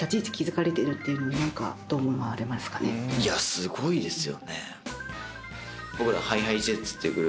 すごいですよね。